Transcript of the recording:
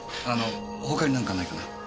他に何かないかな？